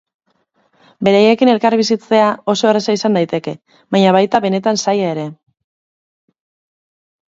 Beraiekin elkarbizitzea oso erraza izan daiteke, baina baita benetan zaila ere.